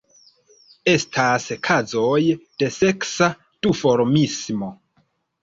Estas kazoj de seksa duformismo.